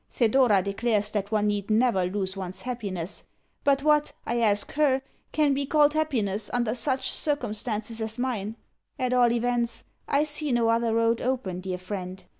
Thedora declares that one need NEVER lose one's happiness; but what, I ask HER, can be called happiness under such circumstances as mine? At all events I see no other road open, dear friend.